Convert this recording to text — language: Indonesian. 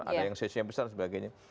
ada yang seisi yang besar dan sebagainya